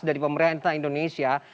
dari pemerintah indonesia